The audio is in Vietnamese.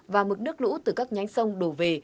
và mực nước lũ từ các nhánh sông đổ về